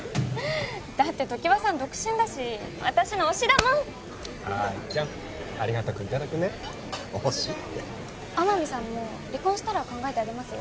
だって常盤さん独身だし私の推しだもん愛ちゃんありがたくいただくね推しって天海さんも離婚したら考えてあげますよ